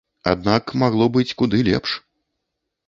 Аднак магло быць куды лепш.